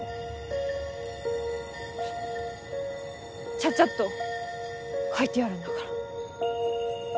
チャチャッと描いてやるんだから。